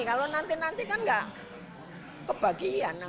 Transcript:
kalau nanti nanti kan nggak kebagian